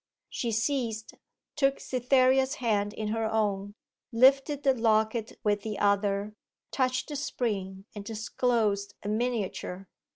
She ceased, took Cytherea's hand in her own, lifted the locket with the other, touched the spring and disclosed a miniature.